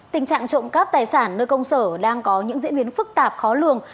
tình trạng trộm cắp tài sản nơi công sở đang có những diễn biến phức tạp khó lường